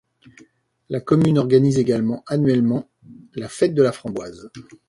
La commune organise également annuellement la Fête de la framboise.